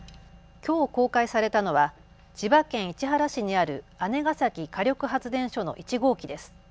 きょう公開されたのは千葉県市原市にある姉崎火力発電所の１号機です。